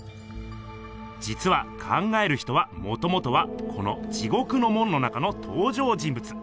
じつは「考える人」はもともとはこの「地獄の門」の中のとう場人ぶつ。